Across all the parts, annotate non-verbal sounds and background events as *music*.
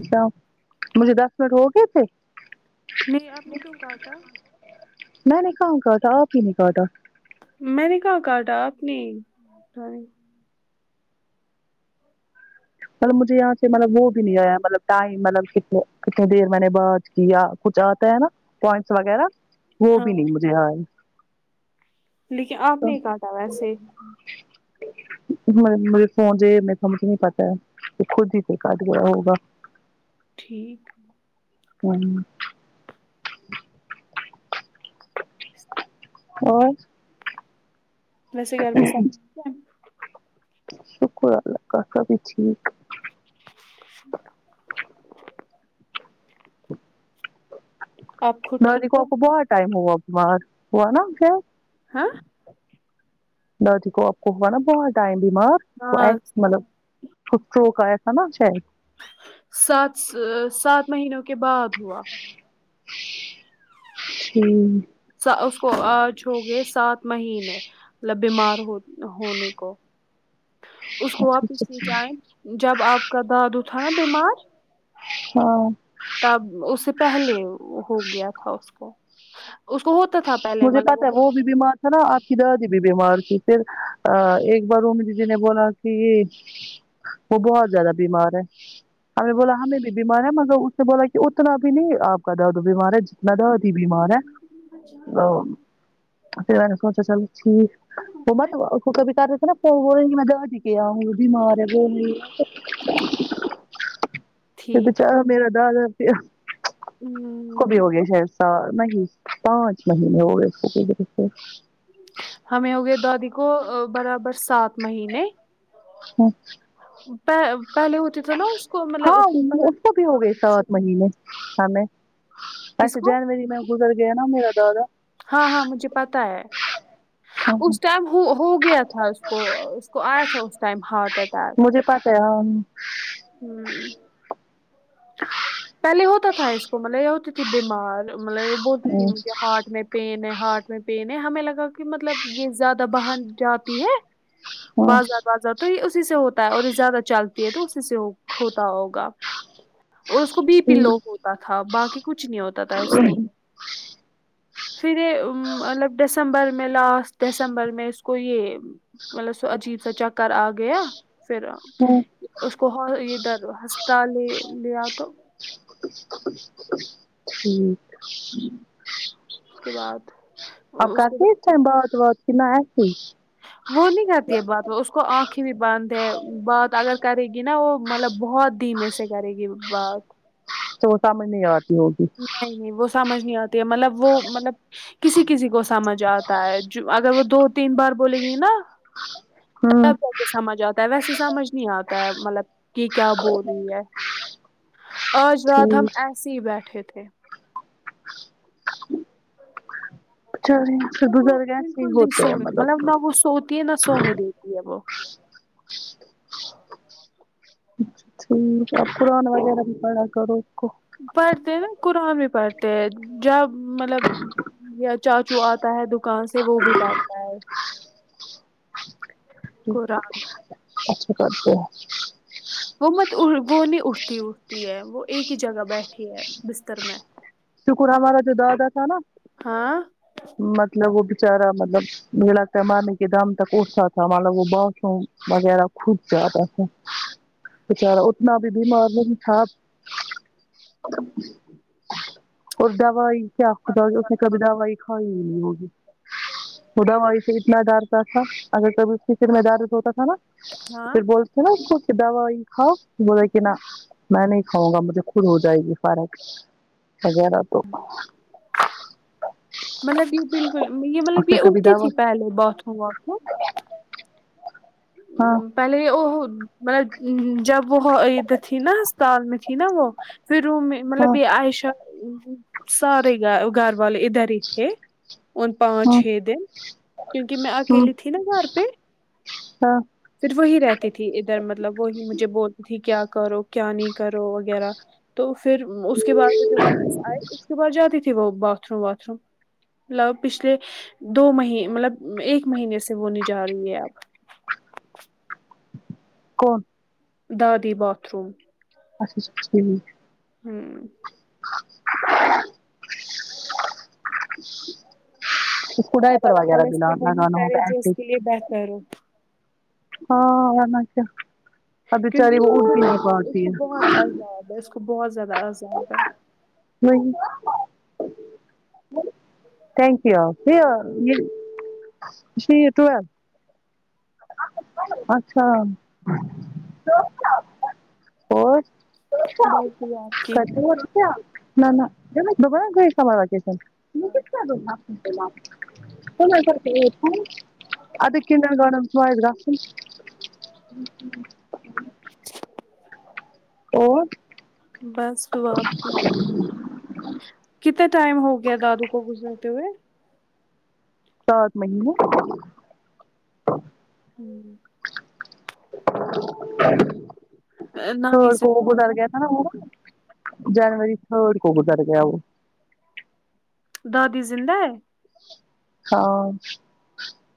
اچھا مجھے دس منٹ ہو گئے تھے نہیں آپ نے کیوں کاٹا میں نے کہاں کاٹا اپ ہی نے کاٹا میں نے کہاں کاٹا آپ نے مطلب مجھے یہاں سے ملب وہ بھی نہیں آیا مطلب ٹائم مطلب کنے کتنے دیر میں نے بات یا کچھ آتا ہے نا پوائنٹس وغیرہ وہ ہاں بھی نہیں مجھے لیکن آپ تو نے کاٹا ویسے مجے فون جے میں سمجھ نہیں پتا کہ خود ہی پ کد گا ہوگا ٹھیک ہوں اور ویسے گھر میں سب ٹھیک ہے شکر اللہ کا سا بھی ٹھیک آپ خود ند ٹھیک ہو کو کو بہت ٹائم ہوا بار ہو نا کیا ہاں دادی کو آپ کو ہوا نا بہت آئے بیمار وہ ہاں مطلب *unintelligible* سات سات مہینوں کے بعد ہوا *unintelligible* سا اس کو آج ہوگئے سات مہینے مطلب بیمار ہو ہونے کو اس اچھا کو آپ اچھا پسلی اچھا چاہیں جب آپ کا دادو تھا نا بیمار *unintelligible* تب اس سے پہلے ہو گیا تھا اس کو اس کو ہو مجھے پتا ہے وہ بھی بیمار ہے نا آپ کی دادی بھی بیمار تھی پھر ا ایک بار امی جی نے بولا کہ یہ وہ بہت زیادہ بیمار ہے ہم نے بولا ہمیں بھی بیمار ہے مگر اس نے بولا کہ اتنا بھی نہیں آپ کا دادا بیمار ہے جتنا دادی بیمار ہے اچھا ہو پھر میں نے سوچا چلو ٹھیک کبھی کر رہے تھے نا *unintelligible* کہ بے ٹھیک چارہ میرا دادا *unintelligible* ہوں اس کو بھی ہو گیا شاید سال نہیں پانچ مہینے ہو گئے اس *unintelligible* ہمیں ہو گیے دادی کو برابر سات مہینے *unintelligible* پہلے پہلے ہوتے تھا نا اس کو ہاں مطلب اس کو بھی ہو گئے سات *unintelligible* مہینے ہمیں کس کو جنوری میں گزر گیا نا میرا دادا ہاں ہاں مجھے پتا ہے اس ٹائم ہو ہوگیا تھا اس کو اس کو آیا تھا اس ٹائم ہارٹ اٹیک مجھے پتہ ہے ہوں پہلے ہوتا تھا اس کو مطلب یہ ہوتی تھی بیمار مطلب یہ بولتی تھی مجھے ہارٹ میں پین ہے ہارٹ میں پین ہے ہمیں لگا کہ مطلب یہ زیادہ باہر جاتی ہے ہاں بازار بازار تو یہ اسی سے ہوتا ہے اور یہ زیادہ چلتی ہے تو اسی سے ہو ہوتا ہوگا اور اس کو بی پی لو ہوتا تھا باقی کچھ نہیں ہوتا تھا اس کو *unintelligible* پھر یہ ام مطلب دسمبر میں لاسٹ دسمبر میں اس کو یہ مطلب اسے عجیب سا چکر آ گیا پھر ہاں اس کو ہو ادھر ہسپتال لی لیا تو ٹھیک اس کے بعد آپ کے کرتے بعد ہیں اس ٹائم بات وات کہ *unintelligible* وہ نہیں کرتی ہے بات وہ اس کو آنکھیں بھی بندھ ہے بات اگر کرے گی نا وہ مطلب بہت دھیمے سے کرے گی بات تو وہ سمجھ نہیں آتی وہ نہیں نہیں وہ سمجھ نہیں آتی ہے مطلب وہ مطلب کسی کسی کو سمجھ آتا ہے جو اگر وہ دو تین بار بولے گی نا ہوں تب جا کے سمجھ آتا ویسے سمجھ نہیں آتا ہے مطلب کہ کیا بول رہی ہے آج رات ہم ٹھیک ایسے ہی بیٹھے تھے *unintelligible* مطلب وہ ایسے ہی بالکل نہیں ہوتے ہیں سونے مطلب نہ وہ سوتی ہے نہ سونے دیتی ہے وہ ٹھیک ہے قرآن وغیرہ بھی پڑھا کرو اس کو پڑھتے ہیں نا قرآن بھی پڑھتے ہیں جب مہ مطلب یا چاچو آتا ہے دکان سے وہ بھی پڑھتا ہے قرآن اچھا کر تے ہیں وہ مت وہ نہیں اٹھتی اٹھتی ہے وہ ایک ہی جگہ بیٹھی ہے بستر میں شکر ہمارا جو دادا تھا نا ہاں ں مطلب وہ بچارا مطلب مجھے لگتا ہے مرنے کے دم تک اٹھتا تھا معلوم وہ واشروم وغیرہ خود جاتا تھا بچارا اتنا بھی بیمار نہیں تھا اور دوائی کیا خدا جو کبھی دوائی کھائی نہیں ہوگی وہ دوائی سے اتنا ڈرتا تھا اگر کبھی اس کے سر میں درد ہوتا تھا نا ہاں پھر بولتے ناں ک اس کو دوائی کھاؤ بول رہے کہ نہ میں نہیں ہوں گا مطلب خود ہو جائے گی فرق ہزار آ تو مطلب یہ بالکل یہ مطلب اس نے یہ کبھی اگتی دوا تھی پہلے باتھ روم واتھ روم ہاں پہلے وہ ہو باٹ جب وہ ادھر تھی ناں سال میں تھی نا وہ پھر میں ہاں مطلب عائشہ سارے گ گھر والے ادھر ہی تھے ان پانچ ہاں چھ دن کیونکہ میں ہاں اکیلی تھی نا گھر پہ ہاں پھر وہی رہتی تھی ادھر مطلب وہی مجھے بولتی تھی کیا کرو کیا نہیں کرو وغیرہ تو پھر اس کے بعد واپس آئے اس کے بعد جاتی تھی وہ باتھ روم واتھ روم مطلب پچھلے دو مہی مطلب ایک مہینے سے ہونے جا رہی ہے اب کون دادی باتھ روم اچھا اچھا ٹھیک ہاں *inaudible* *inaudible* *inaudible* کوڈائ اب پر اللہ وغیرہ تعالی اس پینا کو وہی دینا وہ ہے تو کرے ہے جو اس اسی کے لیے بہتر ہو ہاں ورنہ کیا اب کیونکہ بچاری اس وہ کو اٹھ بھی نہیں بہت اس پاتی کو ہے بہت عذاب ہے اس کو بہت زیادہ عذاب ہے نہیں تھینک یو *unintelligible* یہ یہ ٹویل اچھا اور بس دعا آپ کی *unintelligible* *unintelligible* *unintelligible* *unintelligible* *unintelligible* اور بس دعا آپ کی کتتا ٹائم ہوگیا دادو کو گزرتے ہوئے سات مہینے ہوں *inaudible* نانی تھرڈ کو وہ زندہ ہے گزر گیا تھا ناں نانی وہ زندہ جنوری تھرڈ کو گزر گیا وہ دادی زندہ ہے ہاں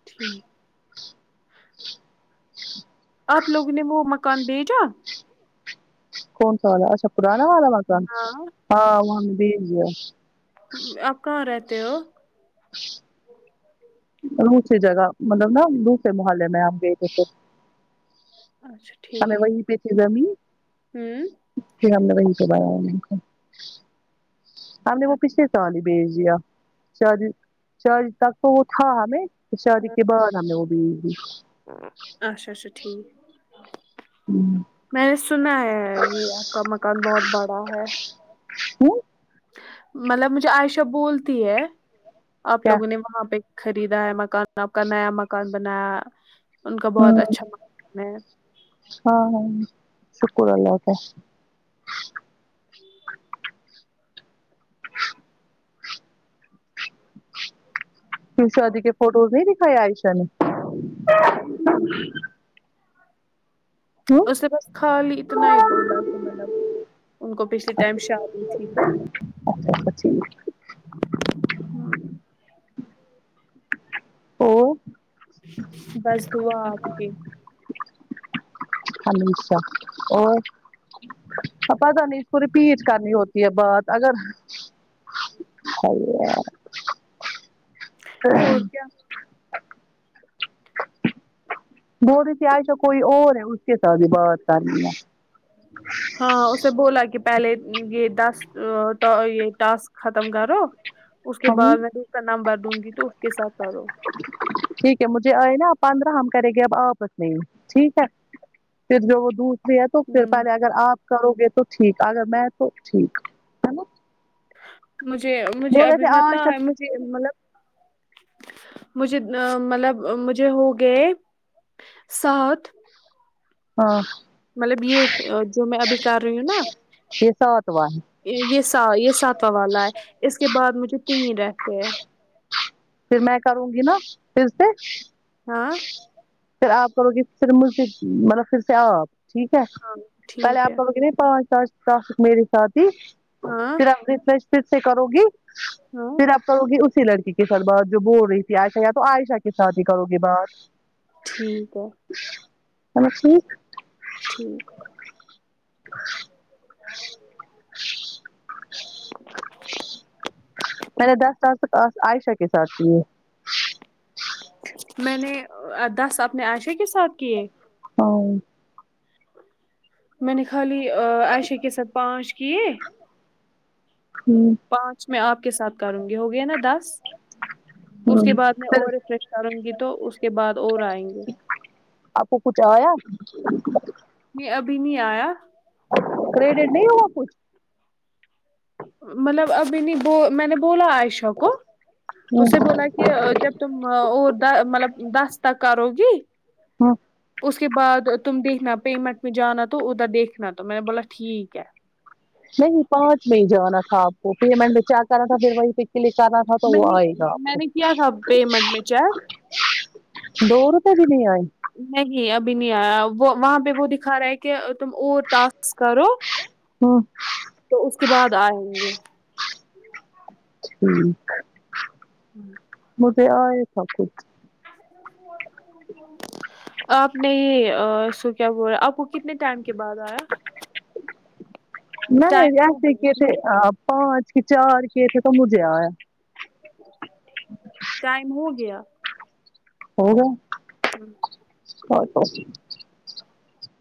ٹھیک آپ لوگ نے وہ مکان بیچا کون سا والا اچھا پرانا والا مکان ہاں ہاں وہ ہم نے بیچ دیا آپ کہاں رہتے ہو *inaudible* دوسری جگہ مطلب ناں دوسرے محلے میں ہم گئے تھے اچھا ٹھیک *unintelligible* ہوں پھر ہم نے وہی کروایا ہم نے وہ پچھلے سال ہی بیچ دیا چ چار تک تو وہ تھا ہمیں شادی کے بعد ہمنے وہ بیچ دیا اچھا اچھا ٹھیک ہوں میں نے سنا ہے یہ آپ کا مکان بہت بڑا ہے ہوں مطلب مجھے عائشہ بولتی ہے آپ کیا لوگوں نے وہاں پہ خریدا ہے مکان آپ کا نیا مکان بنایا ان کا بہت ہوں اچھا مکان ہے ہاں ہاں شکر اللہ کا شادی کے فوٹوز نہیں دکھائے عائشہ نے ہم، ہوں اس نے بس خالی اتنا ہی بولا کہ مطلب ان کو پچھلی ٹائم شادی تھی تو اچھا اچھا ٹھیک ہے اور بس دعا آپ کی اور پتہ نہیں اس کو رپیٹ کرنی ہوتی ہے بات اگر *unintelligible* اور کیا بول رہی کہ عائشہ کوئی اور ہے اس کے ساتھ بھی بات کرنی ہے ہاں اسے بولا کہ پہلے یہ دس یہ ٹاسک ختم کرو اس کے ہم بعد میں تو اس کا نمبر دوں گی تو اس کے ساتھ کرو ٹھیک مجھے آئے نا پندرہ ہم کریں گے اب آپس میں ٹھیک ہے پھر جو وہ دور تو پھر ہوں پہلے اگر آپ کرو گے تو ٹھیک اگر میں تو ٹھیک مجھے مجھے بول رہے ابھی تھے مت آج ہے تک مجھے مطلب مجھے مطلب مجھے ہو گئے سات ہاں مطلب یہ جو میں ابھی کر رہی ہوں نا یہ ساتواں ہے یہ یہ ساتواں والا ہے اس کے بعد مجھے تین رہتے ہیں پھر میں کروں گی نا پھر سے ہاں پھر آپ کرو گے پھر مجھے سے مطلب پھر سے آپ ٹھیک ہے ہاں پہلے ٹھیک آپ ہے کو پانچ ٹاسک میرے ساتھ ہی ہاں پھر ریفریش پھر سے کرو گی ہاں پھر اپ کرو گی اسی لڑکی کو سربات جو بول رہی تھی عائشہ یا تو عائشہ کے ساتھ ہی کرو گی بات ٹھیک ہے مطلب ٹھیک ٹھیک میں نے دس سال کے پاس عائشہ کے ساتھ کی ہے میں نے دس اپنے عائشہ کے ساتھ کیے ہاں میں نے خالی عائشہ کے ساتھ پانچ کیے ہمم پانچ میں آپ کے ساتھ کروں گی ہو گیا نا دس اس کے بعد میں پھر اور رفریش کروں گی تو اس کے بعد اور آئیں گے آپکو کچھ آیا نہیں ابھی نہیں آیا کریڈٹ نہیں ہوا کچھ مطلب انہیں میں نے بولا عائشہ کو اسے بولا کہ جب تم اور مطلب دس تک کرو گی اس کے بعد تم دیکھنا پیمنٹ میں جانا تو ادھر دیکھنا تو میں نے بولا ٹھیک ہے نہیں پانچ میں ہی جانا تھا آپ کو پھر میں نے چار طرح کا پھر وہ لے جانا تھا تو میں وہ نے آئے گا آپ میں کو نے کیا تھا پیمنٹ میں چیک دو روپئے بھی نہیں آئے نہیں ابھی نہیں آیا وہ وہاں پہ وہ دکھا رہا ہے کہ تم اور ٹاسک کرو ہمم تو اس کے بعد آئیں گے ٹھیک ہوں مجھے آئے سب کچھ *inaudible* آپ نے سو کیا بول رہا آپ کو کتنے ٹائم کے بعد آیا نہیں ٹائم نہیں ہو ایسے گیا کیے تھے ٹھیک ہے پانچ چار کیے تھے تو مجھے آیا *inaudible* ٹائم ہو گیا ہو گا ہوں *unintelligible*